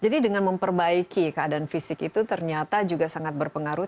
dengan memperbaiki keadaan fisik itu ternyata juga sangat berpengaruh